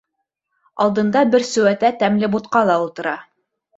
Алдында бер сеүәтә тәмле бутҡа ла ултыра.